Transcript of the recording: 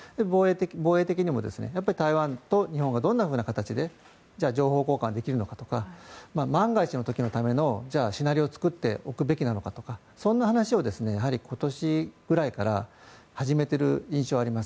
防衛的にも台湾と日本がどういう形でじゃあ情報交換できるのかとか万が一のためのじゃあ、シナリオを作っておくべきなのかとかそんな話を今年ぐらいから始めている印象はあります。